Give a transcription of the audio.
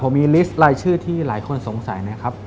ผมมีลิสต์รายชื่อที่หลายคนสงสัยนะครับ